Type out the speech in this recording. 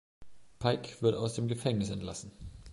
Pike wird aus dem Gefängnis entlassen.